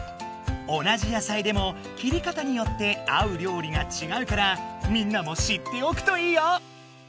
同じ野菜でも切り方によって合う料理がちがうからみんなも知っておくといいよ！